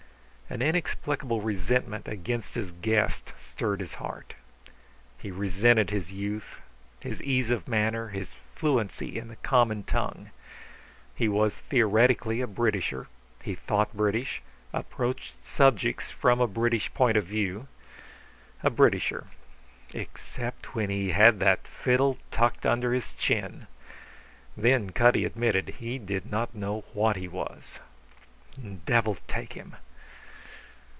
An inexplicable resentment against his guest stirred his heart. He resented his youth, his ease of manner, his fluency in the common tongue. He was theoretically a Britisher; he thought British; approached subjects from a British point of view. A Britisher except when he had that fiddle tucked under his chin. Then Cutty admitted he did not know what he was. Devil take him!